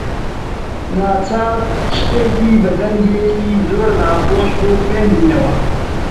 ناچار شتێکی بە دەنگێکی زۆر ناخۆش بۆ خوێندینەوە!